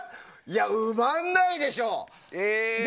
埋まんないでしょ！